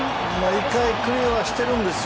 一回クリアはしているんですよ。